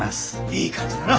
いい感じだな。